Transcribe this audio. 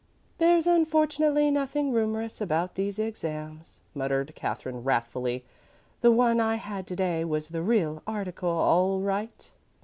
"There's unfortunately nothing rumorous about these exams.," muttered Katherine wrathfully. "The one I had to day was the real article, all right."